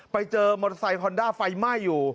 ไปเจอมอเตอร์ไซคอนด้าไฟไหม้อยู่